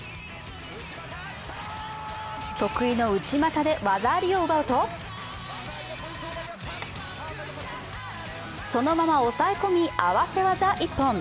得意の内股で技ありを奪うとそのまま抑え込み、合わせ技一本。